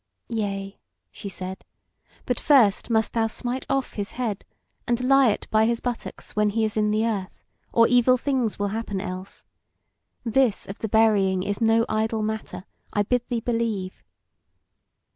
"Yea," she said, "but first must thou smite off his head, and lie it by his buttocks when he is in the earth; or evil things will happen else. This of the burying is no idle matter, I bid thee believe."